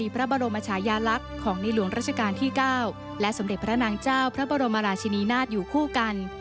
พระบรมชายาลักษณ์ของในหลวงราชการที่๙และสมเด็จพระนางเจ้าพระบรมราชินีนาฏอยู่คู่กัน